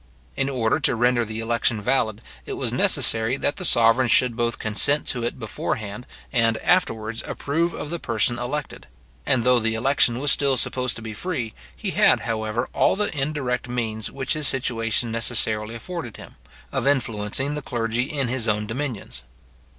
In order to render the election valid, it was necessary that the sovereign should both consent to it before hand, and afterwards approve of the person elected; and though the election was still supposed to be free, he had, however all the indirect means which his situation necessarily afforded him, of influencing the clergy in his own dominions.